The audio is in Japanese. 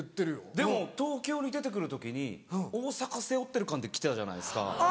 でも東京に出て来る時に大阪背負ってる感で来てたじゃないですか。